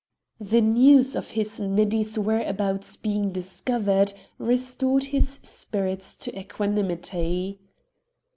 The news of his Neddy's whereabouts being discovered, restored his spirits to equanimity.